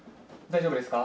大丈夫ですか。